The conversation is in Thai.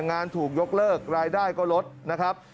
งานถูกยกเลิกรายได้ก็ลดนะครับ